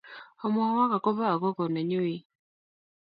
Amwowok akopo akogo nenyu ii?